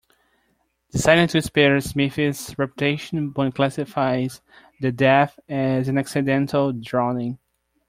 Deciding to spare Smythe's reputation, Bond classifies the death as an accidental drowning.